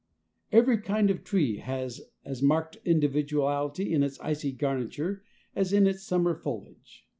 Every kind of tree has as marked individuality in its icy garniture as in its summer foliage.